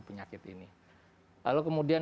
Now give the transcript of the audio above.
penyakit ini lalu kemudian